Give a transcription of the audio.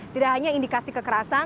tidak hanya indikasi kekerasan